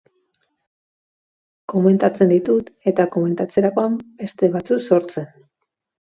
Komentatzen ditut, eta komentatzerakoan, beste batzu sortzen.